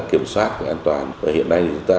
kiểm soát an toàn hiện nay chúng ta